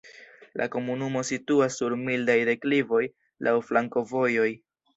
La komunumo situas sur mildaj deklivoj, laŭ flankovojoj.